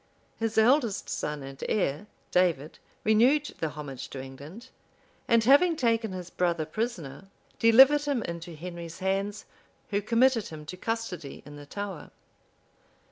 His eldest son and heir, David, renewed the homage to England; and having taken his brother prisoner, delivered him into Henry's hands, who committed him to custody in the Tower.